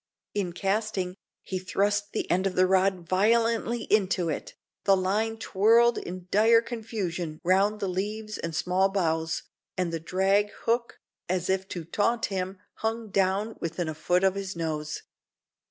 In casting, he thrust the end of his rod violently into it; the line twirled in dire confusion round the leaves and small boughs, and the drag hook, as if to taunt him, hung down within a foot of his nose.